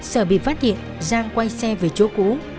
sợ bị phát hiện giang quay xe về chỗ cũ